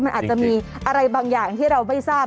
มันอาจจะมีอะไรบางอย่างที่เราไม่ทราบ